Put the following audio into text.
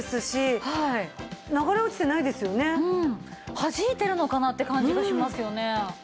はじいてるのかなって感じがしますよね。